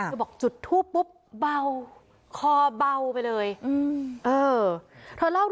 วิทยาลัยศาสตรี